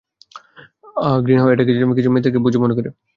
ঘৃনা হয় এটা জেনে কিছু লোক মেয়েদেরকে বোঝ মনে করে!